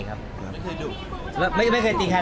พ่อก็จะไปหาพ่อเนี่ย